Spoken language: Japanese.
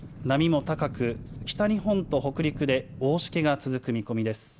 波も高く、北日本と北陸で大しけが続く見込みです。